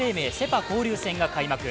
・パ交流戦が開幕。